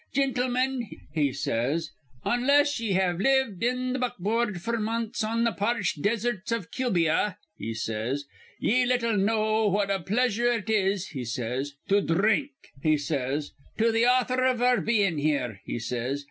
'Gintlemen,' he says, 'onless ye have lived in th' buckboard f'r months on th' parched deserts iv Cubia,' he says, 'ye little know what a pleasure it is,' he says, 'to dhrink,' he says, 'to th' author iv our bein' here,' he says.